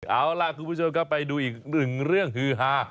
เอาล่ะคุณผู้ชมครับไปดูอีกหนึ่งเรื่องฮือฮา